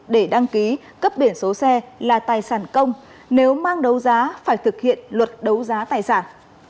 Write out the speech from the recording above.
để đăng ký cấp biển số xe là tài sản công nếu mang đấu giá phải thực hiện luật đấu giá tài sản